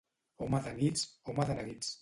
Home de nits, home de neguits.